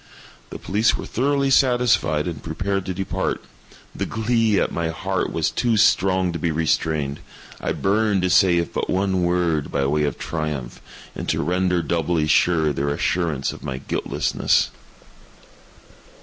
The police were thoroughly satisfied and prepared to depart. The glee at my heart was too strong to be restrained. I burned to say if but one word, by way of triumph, and to render doubly sure their assurance of my guiltlessness.